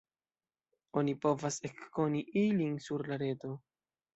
Oni povas ekkoni ilin sur la reto.